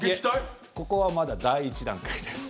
ここはまだ第１段階です。